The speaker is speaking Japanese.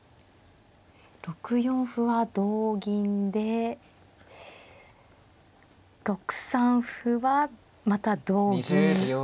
６四歩は同銀で６三歩はまた同銀なんです？